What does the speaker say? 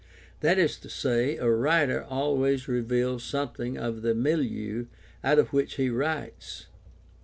That is to say, a writer always reveals some thing of the milieu out of which he writes.